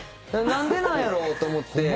何でなんやろと思って。